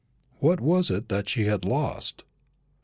What was it that she had lost?